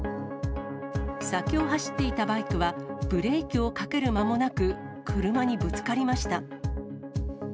先を走っていたバイクは、ブレーキをかけるまもなく、車にぶつかりました。